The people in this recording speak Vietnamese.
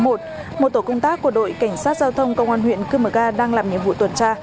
một tổ công tác của đội cảnh sát giao thông công an huyện cư mờ ga đang làm nhiệm vụ tuần tra